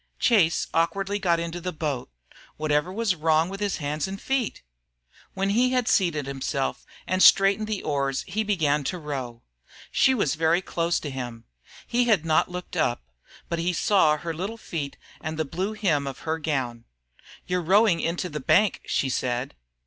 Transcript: Chase awkwardly got into the boat. Whatever was wrong with his hands and feet? When he had seated himself and straightened the oars he began to row. She was very close to him. He had not looked up, but he saw her little feet and the blue hem of her gown. "You 're rowing into the bank," she said.